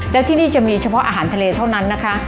และที่นี่จะมีเฉพาะอาหารทะเลเท่านั้นนะคะ